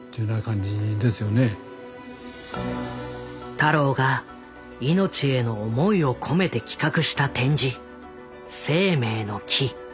太郎が命への思いを込めて企画した展示「生命の樹」。